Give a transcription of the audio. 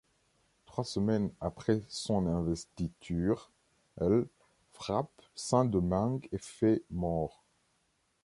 Trois semaines après son investiture, l' frappe Saint-Domingue et fait morts.